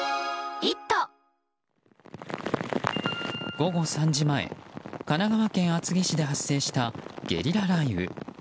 午後３時前、神奈川県厚木市で発生したゲリラ雷雨。